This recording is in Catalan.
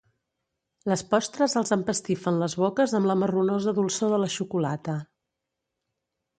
Les postres els empastifen les boques amb la marronosa dolçor de la xocolata.